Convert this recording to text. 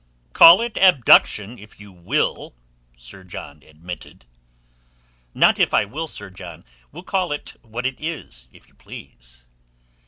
"Call it abduction, if you will," Sir John admitted. "Not if I will, Sir John. We'll call it what it is, if you please."